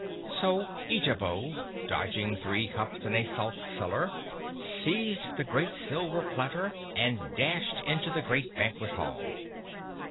So Eejabo, dodging three cups and a salt cellar, seized the great silver platter and dashed into the great banquet hall.